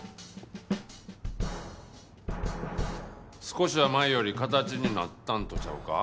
少しは前より形になったんとちゃうか？